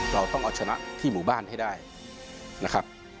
เราต้องเอาชนะที่หมู่บ้านให้ได้นะครับ